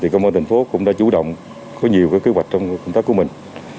công an thành phố cũng đã chủ động có nhiều kế hoạch trong công tác của mình